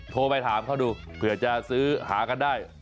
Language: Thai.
โทรไปถามเขาดูเผื่อจะซื้อหากันได้